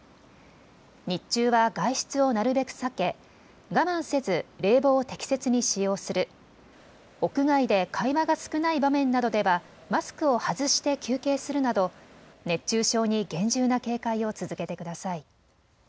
日中は外出をなるべく避け、我慢せず冷房を適切に使用する、屋外で会話が少ない場面などではマスクを外して休憩するなど熱中症に厳重な警戒を続けてください。